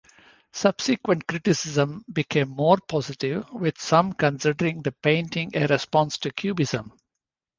Subsequent criticism became more positive, with some considering the painting a response to Cubism.